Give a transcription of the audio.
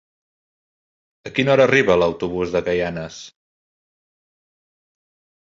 A quina hora arriba l'autobús de Gaianes?